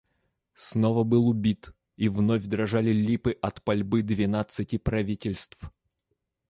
Снова был убит, и вновь дрожали липы от пальбы двенадцати правительств.